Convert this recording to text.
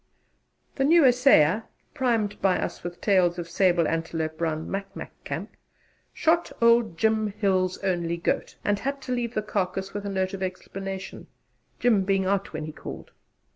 The new assayer, primed by us with tales of Sable Antelope round Macmac Camp, shot old Jim Hill's only goat, and had to leave the carcase with a note of explanation Jim being out when he called.